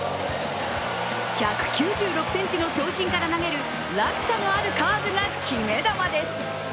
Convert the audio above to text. １９６ｃｍの長身から投げる落差のあるカーブが決め球です。